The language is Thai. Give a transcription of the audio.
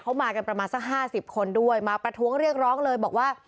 เขามากันประมาณสักห้าสิบคนด้วยมาประท้วงเรียกร้องเลยบอกว่า